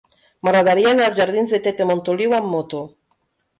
M'agradaria anar als jardins de Tete Montoliu amb moto.